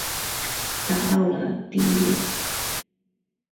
达到了顶点。